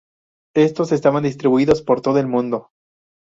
Estos estaban distribuidos por todo el mundo.